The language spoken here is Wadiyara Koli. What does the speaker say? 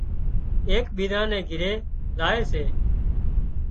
ايڪ ٻيزان ني گھري زائي سي